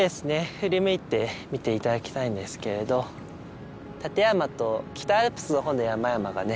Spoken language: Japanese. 振り向いて見て頂きたいんですけれど立山と北アルプスの方の山々がね